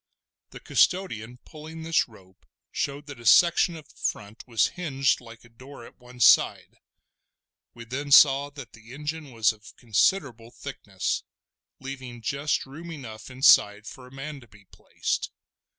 The custodian pulling this rope showed that a section of the front was hinged like a door at one side; we then saw that the engine was of considerable thickness, leaving just room enough inside for a man to be placed.